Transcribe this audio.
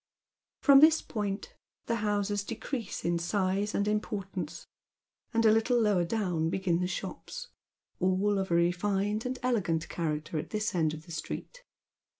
From this point the houses decrease in size and importance, and a little lowi r down begin the shops — all of a refined and elegant character at this end of the street.